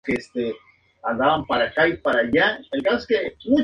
Acampó en un bosquecillo situado en una colina.